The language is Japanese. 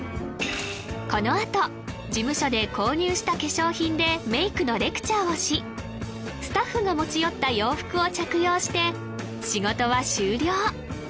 このあと事務所で購入した化粧品でメイクのレクチャーをしスタッフが持ち寄った洋服を着用して仕事は終了